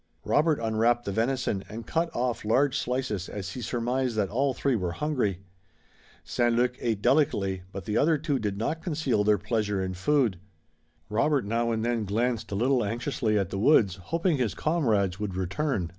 Robert unwrapped the venison and cut off large slices as he surmised that all three were hungry. St. Luc ate delicately but the other two did not conceal their pleasure in food. Robert now and then glanced a little anxiously at the woods, hoping his comrades would return.